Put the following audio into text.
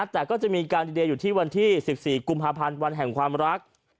แต่ก็จะมีการดีเดย์อยู่ที่วันที่๑๔กุมภาพันธ์วันแห่งความรัก